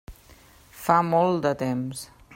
Fa molt de temps.